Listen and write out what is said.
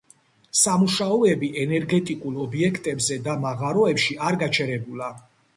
სამუშაოები ენერგეტიკულ ობიექტებზე და მაღაროებში არ გაჩერებულა.